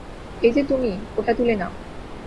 এইযে তুমি, ওটা তুলে নাও।